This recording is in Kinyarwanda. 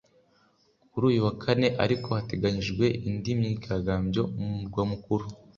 kuri uyu wa kane ariko hateganyijwe indi myigaragambyo mu murwa mukuru